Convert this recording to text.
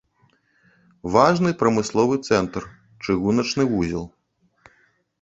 Важны прамысловы цэнтр, чыгуначны вузел.